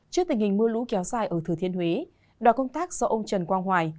trước tình hình mưa lũ kéo dài ở thừa thiên huế đoàn công tác do ông trần quang hoài